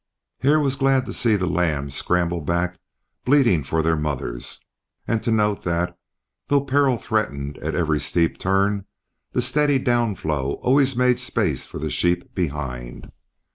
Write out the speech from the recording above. Hare was glad to see the lambs scramble back bleating for their mothers, and to note that, though peril threatened at every steep turn, the steady down flow always made space for the sheep behind.